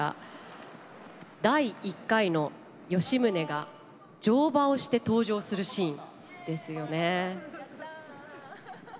第１回の吉宗が乗馬をして登場するシーンですよね。